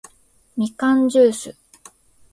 みかんじゅーす